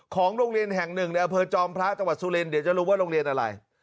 ของโรงเรียนแห่งหนึ่งในอำเภอจอมพระจังหวัดสุรินเดี๋ยวจะรู้ว่าโรงเรียนอะไร